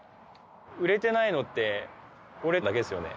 売れてないのって、俺だけですよね。